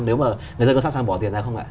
nếu mà người dân có sẵn sàng bỏ tiền ra không ạ